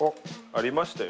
ありましたよ。